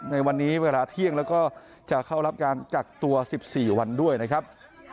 ในวันนี้เวลาเที่ยงแล้วก็จะเข้ารับการกักตัว๑๔วันด้วยนะครับ